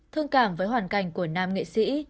thương cảm với hoàn cảnh của nam nghệ sĩ